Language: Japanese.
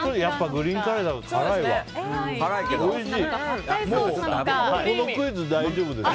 このクイズ、大丈夫です。